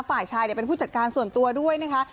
ฝ่ายชายเป็นผู้จัดการส่วนตัวด้วยนะคะ